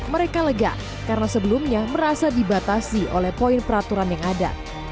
mereka lega karena sebelumnya merasa dibatasi oleh poin peraturan yang ada